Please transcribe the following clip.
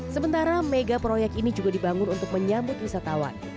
sementara mega proyek ini juga dibangun untuk menyambut wisatawan